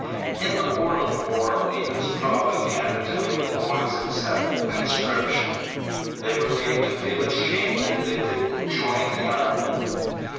In the World War, we used propaganda to make the boys accept conscription. They were made to feel ashamed if they didn't join the army.